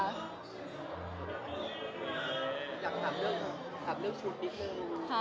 อยากถามเรื่องชุดนี้เถอะ